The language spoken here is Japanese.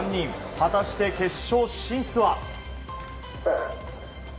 果たして、決勝進出は。